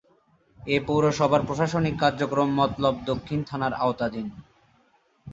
এ পৌরসভার প্রশাসনিক কার্যক্রম মতলব দক্ষিণ থানার আওতাধীন।